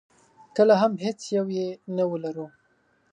کله هم هېڅ یو یې نه ولرو.